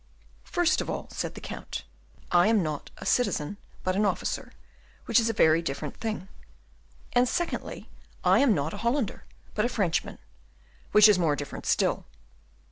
"First of all," said the Count, "I am not a citizen, but an officer, which is a very different thing; and secondly, I am not a Hollander, but a Frenchman, which is more different still.